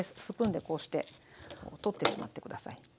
スプーンでこうして取ってしまって下さい。